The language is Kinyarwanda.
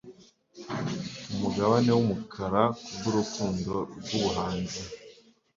Umugabane wumukara kubwurukundo rwubuhanzi